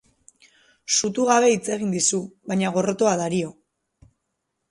Sutu gabe hitz egin dizu, baina gorrotoa dario.